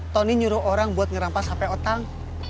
tony nyuruh orang buat ngerampas hp otang